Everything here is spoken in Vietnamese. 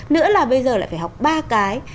nữa là bây giờ lại phải học ba cái